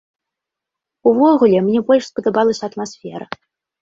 Увогуле, мне больш спадабалася атмасфера.